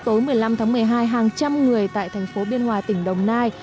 tối một mươi năm tháng một mươi hai hàng trăm người tại thành phố biên hòa tỉnh đồng nai